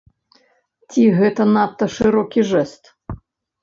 Ці гэта надта шырокі жэст?